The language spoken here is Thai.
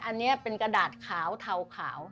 อันนี้เป็นกระดาษขาวเทาขาว